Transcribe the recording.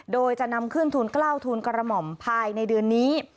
โดยจะนำขึ้นทูล๙ทูลกระหม่อมภายในเดือนนี้